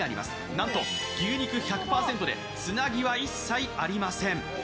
なんと牛肉１００％でつなぎは一切ありません。